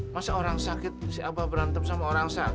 masa orang sakit si abah berantem sama orang sakit